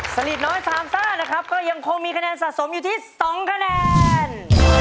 สลิดน้อยสามซ่านะครับก็ยังคงมีคะแนนสะสมอยู่ที่๒คะแนน